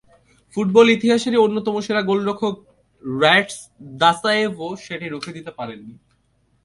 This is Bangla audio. ফুটবল ইতিহাসেরই অন্যতম সেরা গোলরক্ষক র্যাটস দাসায়েভও সেটি রুখে দিতে পারেননি।